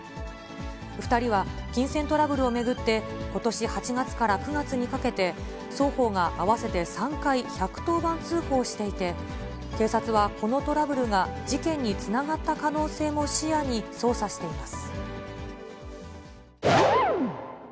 ２人は金銭トラブルを巡って、ことし８月から９月にかけて、双方が合わせて３回１１０番通報していて、警察はこのトラブルが事件につながった可能性も視野に捜査しています。